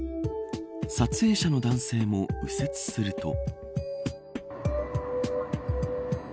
撮影者の男性も右折すると。